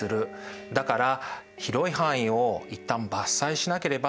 だから広い範囲を一旦伐採しなければならないわけなんです。